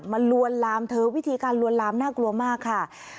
ลวนลามเธอวิธีการลวนลามน่ากลัวมากค่ะ